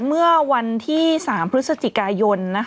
เมื่อวันที่๓พฤศจิกายน